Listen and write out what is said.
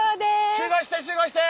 集合して集合して！